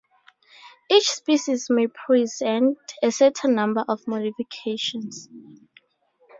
Each species may present a certain number of modifications.